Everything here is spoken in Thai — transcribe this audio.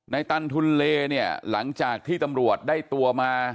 ตันทุนเลเนี่ยหลังจากที่ตำรวจได้ตัวมา